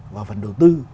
và phần đầu tư